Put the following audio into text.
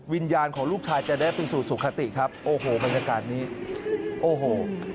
วิญญาณของลูกชายจะได้ไปสู่สุขติครับโอ้โหบรรยากาศนี้โอ้โห